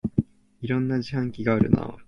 いろんな自販機があるなあ